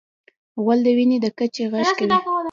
غول د وینې د کچې غږ کوي.